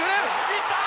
いった！